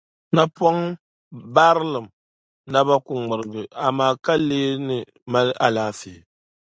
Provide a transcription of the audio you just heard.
napɔmbarinim’ naba ku ŋmirigi, amaa ka lee ni malila alaafee.